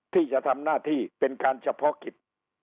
ที่จะทำหน้าที่เป็นการเฉพาะกิจ